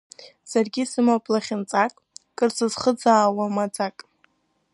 Саргьы исымоуп лахьынҵак, кыр сызхӡыӡаауа маӡак…